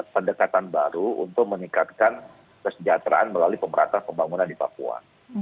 pendekatan baru untuk meningkatkan kesejahteraan melalui pemerintah pembangunan di papua